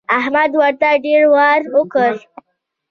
احمد ورته ډېر وار وکړ.